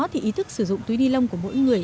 thì ý thức sử dụng túi ni lông của mỗi người